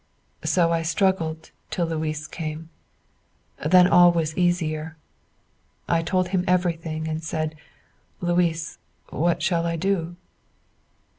So I struggled till Louis came. Then all was easier. I told him everything and said, 'Louis, what shall I do?